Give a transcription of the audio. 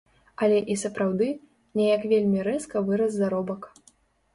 Але і сапраўды, неяк вельмі рэзка вырас заробак.